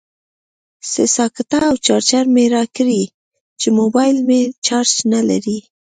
سه ساکټه او چارجر مې راکړئ چې موبایل مې چارج نلري